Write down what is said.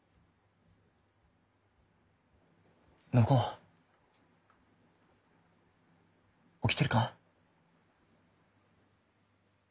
・暢子起きてるか？